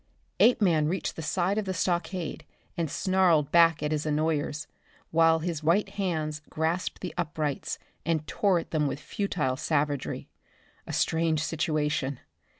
Apeman reached the side of the stockade and snarled back at his annoyers, while his white hands grasped the uprights and tore at them with futile savagery. A strange situation.